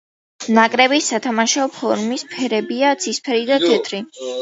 ნაკრების სათამაშო ფორმის ფერებია ცისფერი და თეთრი.